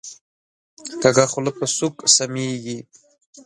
کږه خوله په سوک سمیږي